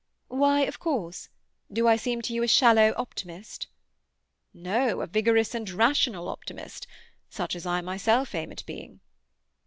"Why "of course"? Do I seem to you a shallow optimist?" "No. A vigorous and rational optimist—such as I myself aim at being."